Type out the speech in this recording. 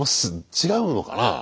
違うのかな？